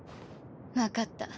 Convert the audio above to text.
分かった。